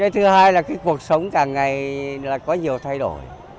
thứ hai là cuộc sống càng ngày có nhiều thay đổi